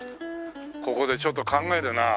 ここでちょっと考えるなあ。